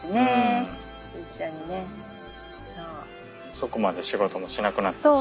遅くまで仕事もしなくなったしね。